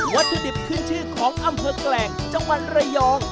วัตถุดิบขึ้นชื่อของอำเภอแกลงจังหวัดระยอง